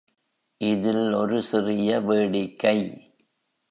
இதில் ஒரு சிறிய வேடிக்கை.